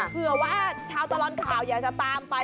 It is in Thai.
เผื่อว่าชาวตลอดข่าวอยากจะตามไป